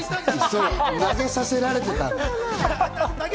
そう、投げさせられていた。